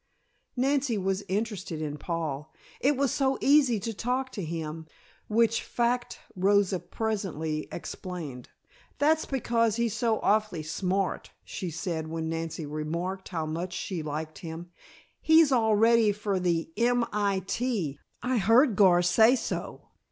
Nancy was interested in Paul; it was so easy to talk to him which fact Rosa presently explained. "That's because he's so awfully smart," she said when Nancy remarked how much she liked him. "He's all ready for the M. I. T. I heard Gar say so."